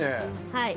はい。